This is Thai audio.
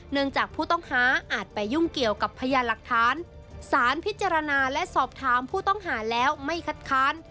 จากผู้ต้องหาอาจไปยุ่งเกี่ยวกับพยานหลักฐานสารพิจารณาและสอบถามผู้ต้องหาแล้วไม่คัดค้าน